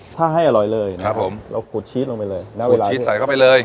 ถ้าให้อร่อยเลยนะครับผมเราขูดชีสลงไปเลยแล้วขูดชีสใส่เข้าไปเลย